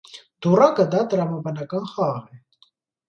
Դուռակը դա տրամաբանական խաղ է։